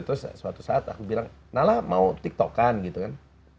terus suatu saat aku bilang nala mau tiktokan gitu kan